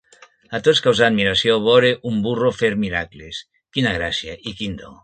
A tots causà admiració vore un burro fer miracles: quina gràcia, i quin do!